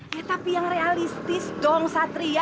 eh tapi yang realistis dong satria